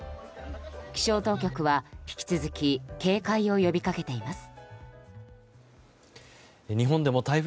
気象当局は、引き続き警戒を呼びかけています。